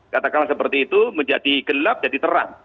katakanlah seperti itu menjadi gelap jadi terang